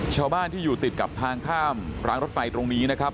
ชาวบ้านที่อยู่ติดกับทางข้ามรางรถไฟตรงนี้นะครับ